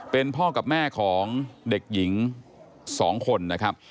เป็นพ่อกับแม่ของเด็กหญิง๒คนนะครับ